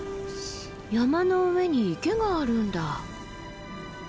山の上に池があるんだ。